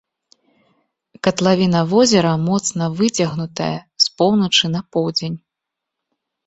Катлавіна возера моцна выцягнутая з поўначы на поўдзень.